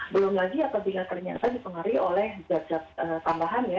belum lagi apabila ternyata dipengaruhi oleh jajat tambahan ya